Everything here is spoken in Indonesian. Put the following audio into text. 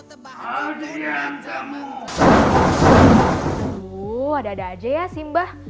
aduh ada ada aja ya si mbah